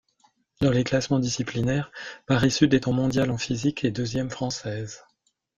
Dans les classements disciplinaires, Paris-Sud est en mondiale en physique, et deuxième française.